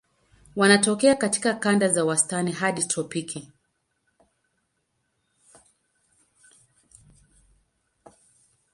Wanatokea katika kanda za wastani hadi tropiki.